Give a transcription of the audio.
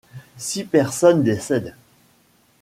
Six personnes décèdent.